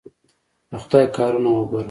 د خدای کارونه وګوره!